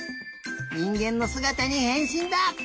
にんげんのすがたにへんしんだ！